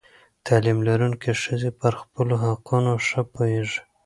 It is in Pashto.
تعلیم لرونکې ښځې پر خپلو حقونو ښه پوهېږي.